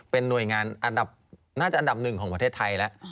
เป็นหน่วยงานอันดับน่าจะอันดับหนึ่งของประเทศไทยแล้ว